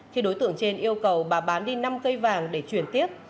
khi đối tượng trên yêu cầu bà bán đi năm cây vàng để chuyển tiếp